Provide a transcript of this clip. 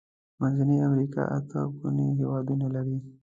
منځنۍ امريکا اته ګونې هيوادونه لري.